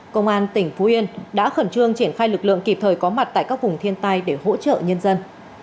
công an tỉnh phú yên đã khẩn trương triển khai lực lượng kịp thời có mặt tại các vùng thiên tai để hỗ trợ nhân dân